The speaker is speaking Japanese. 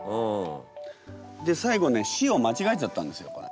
で最後ね「し」を間違えちゃったんですよこれ。